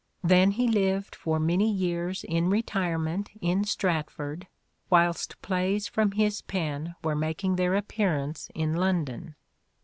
Then he lived for many years in retirement in Stratford whilst plays from his pen 38 " SHAKESPEARE " IDENTIFIED were making their appearance in London.